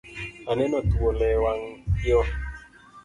Aneno thuol e wanga yo